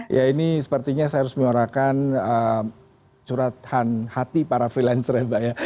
ya ini sepertinya saya harus mengorakan curhatan hati para freelancer ya mbak ya